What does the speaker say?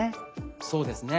そうですね。